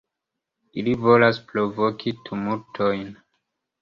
Ili volas provoki tumultojn.